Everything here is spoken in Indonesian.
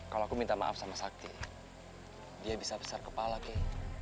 kalau aku minta maaf sama sakti dia bisa besar kepala kah